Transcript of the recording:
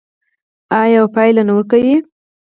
آیا او پایله نه ورکوي؟